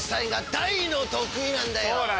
大の得意なんだよ。